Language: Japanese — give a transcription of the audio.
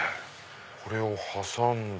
これを挟んで。